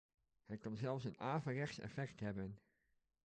Het kan zelfs een averechts effect hebben.